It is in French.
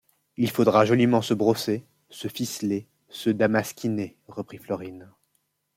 Il faudra joliment se brosser, se ficeler, se damasquiner, reprit Florine.